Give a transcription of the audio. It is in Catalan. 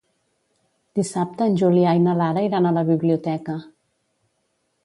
Dissabte en Julià i na Lara iran a la biblioteca.